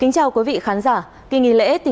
cảm ơn các bạn đã theo dõi